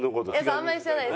あんまり知らない。